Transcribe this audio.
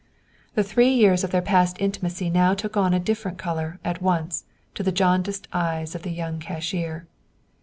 The three years of their past intimacy now took on a different color, at once, to the jaundiced eyes of the young cashier.